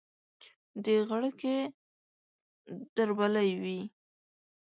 د غړکې دربلۍ وي